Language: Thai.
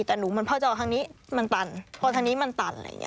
แต่หนูมันพอจะเอาทางนี้มันตันพอทางนี้มันตันอะไรอย่างนี้